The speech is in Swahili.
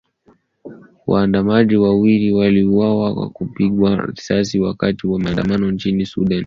Waandamanaji wawili waliuawa kwa kupigwa risasi wakati wa maandamano nchini Sudan.